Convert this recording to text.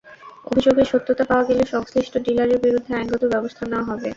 অভিযোগের সত্যতা পাওয়া গেলে সংশ্লিষ্ট ডিলারের বিরুদ্ধে আইনগত ব্যবস্থা নেওয়া হবে।